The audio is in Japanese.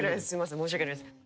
すいません申し訳ないです。